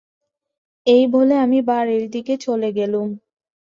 এই বলে আমি বাড়ির দিকে চলে গেলুম।